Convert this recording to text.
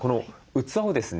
器をですね